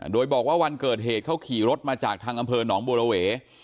โดยบอกว่าวันเกิดเหตุเขาขี่รถมาจากทางอำเภอหนองบัวระเว